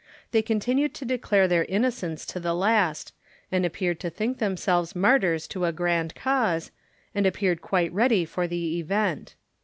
They continued to declare their innocence to the last, and appeared to think themselves martyrs to a grand cause, and appeared quite ready for the event.